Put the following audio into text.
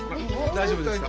大丈夫ですか？